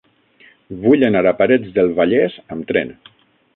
Vull anar a Parets del Vallès amb tren.